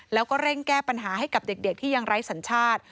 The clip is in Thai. แล้วก็เร่งแก้ปัญหาให้กับเด็กที่ยังไร้สัญชาติ